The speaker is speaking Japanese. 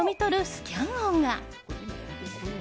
スキャン音が。